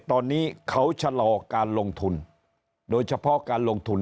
ตอนนี้เขาชะลอการลงทุนโดยเฉพาะการลงทุน